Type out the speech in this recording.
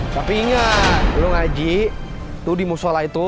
tapi ingat lu ngaji lu dimusola itu